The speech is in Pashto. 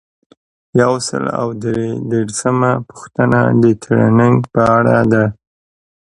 یو سل او درې دیرشمه پوښتنه د ټریننګ په اړه ده.